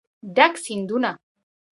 ډک سیندونه